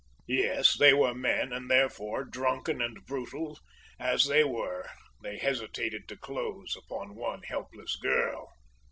Yes, they were men, and therefore, drunken and brutal as they were, they hesitated to close upon one helpless girl.